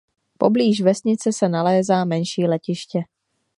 Poblíž vesnice se nalézá menší letiště.